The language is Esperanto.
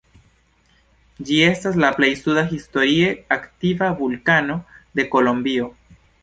Ĝi estas la plej suda historie aktiva vulkano de Kolombio.